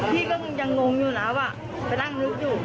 พี่ก็ยังงงอยู่แล้วไปนั่งลุกอยู่